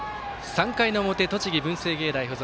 ３回の表栃木、文星芸大付属